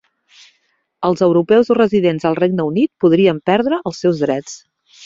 Els europeus residents al Regne Unit podrien perdre els seus drets